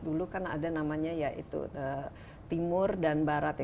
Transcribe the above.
dulu kan ada namanya timur dan barat